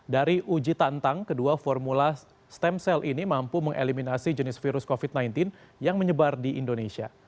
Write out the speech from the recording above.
dari uji tantang kedua formula stem cell ini mampu mengeliminasi jenis virus covid sembilan belas yang menyebar di indonesia